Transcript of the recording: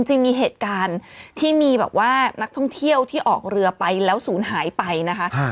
จริงมีเหตุการณ์ที่มีแบบว่านักท่องเที่ยวที่ออกเรือไปแล้วศูนย์หายไปนะคะ